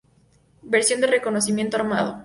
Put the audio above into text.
Versión de reconocimiento armado.